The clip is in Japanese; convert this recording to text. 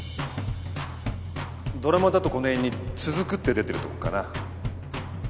ドラマだとこの辺に「つづく」って出てるとこかな。